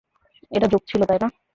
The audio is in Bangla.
এটা জোক ছিলো তাই না?